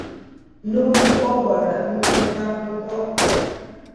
N'okwu ọ gwara ndị nta akụkọ